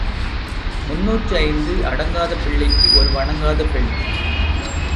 முன்னூற்று ஐந்து அடங்காத பிள்ளைக்கு ஒரு வணங்காத பெண்.